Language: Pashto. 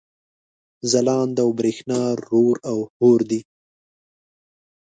ځلاند او برېښنا رور او حور دي